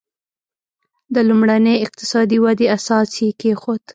د لومړنۍ اقتصادي ودې اساس یې کېښود.